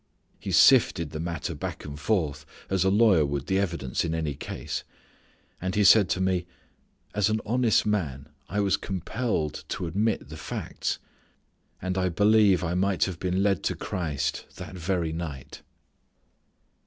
He sifted the matter back and forth as a lawyer would the evidence in any case. And he said to me, "As an honest man I was compelled to admit the facts, and I believe I might have been led to Christ that very night."